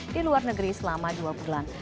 di luar negeri selama dua bulan